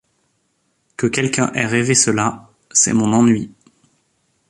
Que quelqu’un ait rêvé cela, c’est mon ennui.